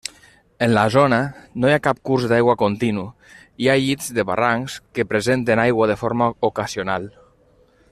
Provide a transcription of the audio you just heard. En la zona no hi ha cap curs d'aigua continu, hi ha llits de barrancs que presenten aigua de forma ocasional.